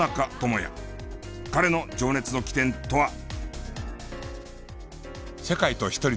彼の情熱の起点とは？